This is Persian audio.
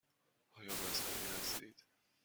آیا مذهبی هستید؟